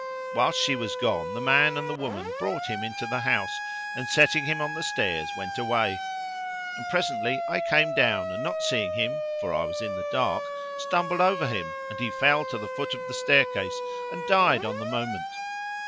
Whilst she was gone the man and the woman brought him into the house and, setting him on the stairs, went away; and presently I came down and not seeing him, for I was in the dark, stumbled over him and he fell to the foot of the staircase and died on the moment.